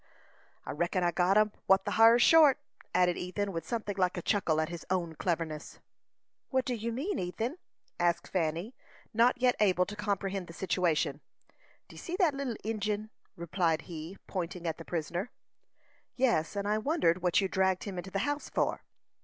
"I reckon I got 'em whar the har 's short," added Ethan, with something like a chuckle at his own cleverness. "What do you mean, Ethan?" asked Fanny, not yet able to comprehend the situation. "D'ye see that little Injin?" replied he, pointing at the prisoner. "Yes; and I wondered what you dragged him into the house for."